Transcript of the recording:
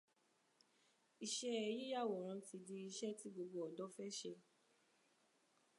Iṣẹ́ yíyàwòrán ti di iṣẹ́ tí gbogbo ọ̀dọ́ fẹ́ ṣe.